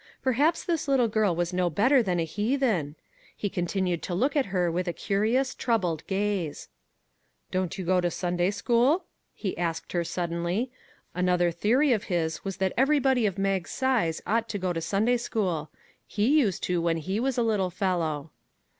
Perhaps this little girl was no better than a heathen. He continued to look at her with a curious, troubled gaze. " Don't you go to Sunday school? " he asked her suddenly; another theory of his was that everybody of Mag's size ought to go to Sunday school; he used to when he was a little fel low.